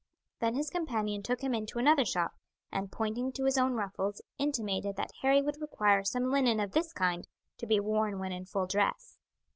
Then his companion took him into another shop, and pointing to his own ruffles intimated that Harry would require some linen of this kind to be worn when in full dress.